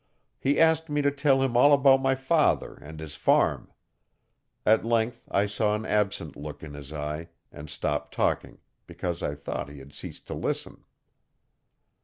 He asked me to tell him all about my father and his farm. At length I saw an absent look in his eye, and stopped talking, because I thought he had ceased to listen.